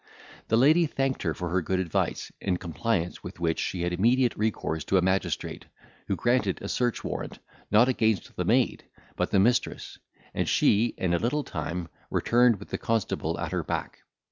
The lady thanked her for the good advice, in compliance with which she had immediate recourse to a magistrate, who granted a search warrant, not against the maid, but the mistress; and she, in a little time, returned with the constable at her back.